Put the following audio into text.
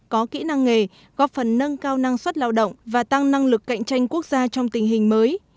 có kỹ năng nghề góp phần nâng cao năng suất lao động và tăng năng lực cạnh tranh quốc gia trong tình hình mới